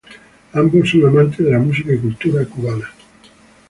Ambos son amantes de la música y la cultura cubana.